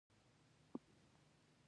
یوه ډله دې څو مشکل لغتونه له متن راوباسي.